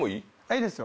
いいですよ。